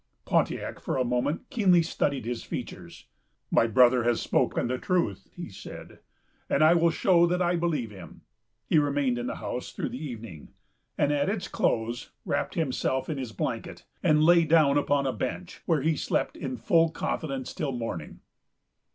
Pontiac for a moment keenly studied his features. "My brother has spoken the truth," he said, "and I will show that I believe him." He remained in the house through the evening, and, at its close, wrapped himself in his blanket, and lay down upon a bench, where he slept in full confidence till morning.